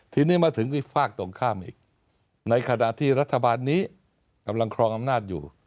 ทีนี้มาถึงอีกฝากตรงข้ามอีกในขณะที่รัฐบาลนี้กำลังครองอำนาจอยู่